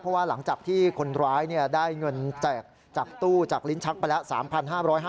เพราะว่าหลังจากที่คนร้ายได้เงินแจกจากตู้จากลิ้นชักไปแล้ว